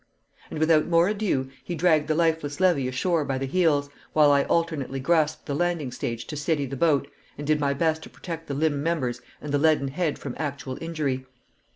And without more ado he dragged the lifeless Levy ashore by the heels, while I alternately grasped the landing stage to steady the boat, and did my best to protect the limp members and the leaden head from actual injury.